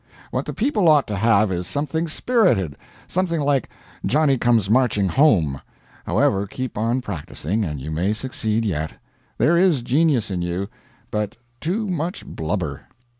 What the people ought to have is something spirited something like "Johnny Comes Marching Home." However, keep on practising, and you may succeed yet. There is genius in you, but too much blubber.